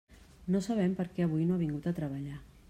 No sabem per què avui no ha vingut a treballar.